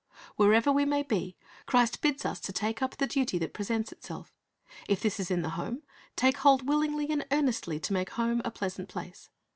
Wherever we may be, Christ bids us take up the duty that presents itself If this is in the home, take hold willingly and earnestly to make home a pleasant place.